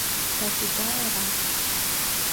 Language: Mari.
Да тугае рат!